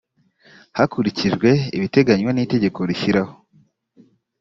hakurikijwe ibiteganywa n itegeko rishyiraho